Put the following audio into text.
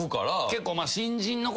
結構。